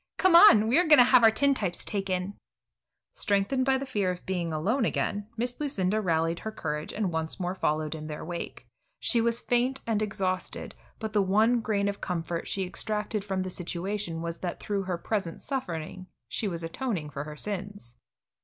Come on; we are going to have our tintypes taken." Strengthened by the fear of being left alone again, Miss Lucinda rallied her courage, and once more followed in their wake. She was faint and exhausted, but the one grain of comfort she extracted from the situation was that through her present suffering she was atoning for her sins.